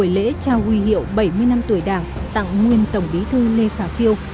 lễ trao huy hiệu bảy mươi năm tuổi đảng tặng nguyên tổng bí thư lê khả phiêu